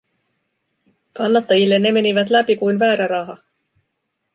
Kannattajille ne menivät läpi kuin väärä raha.